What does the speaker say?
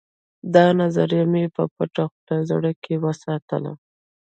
دا نظریه مې په پټه خوله زړه کې وساتله